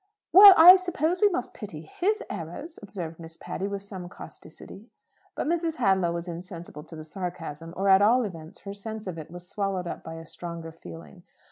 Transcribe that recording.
"Well, I suppose we must pity his errors," observed Miss Patty, with some causticity. But Mrs. Hadlow was insensible to the sarcasm; or, at all events, her sense of it was swallowed up by a stronger feeling.